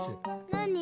なに？